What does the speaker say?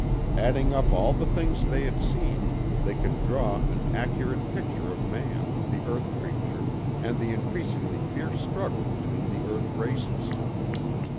Adding up all the things they had seen, they could draw an accurate picture of man, the earth creature, and the increasingly fierce struggle between the earth races.